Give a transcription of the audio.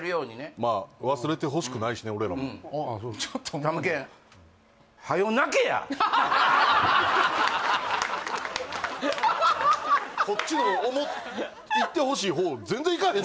まあ忘れてほしくないしね俺らもああたむけんこっちの思って行ってほしい方全然いかへん